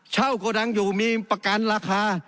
โกดังอยู่มีประกันราคา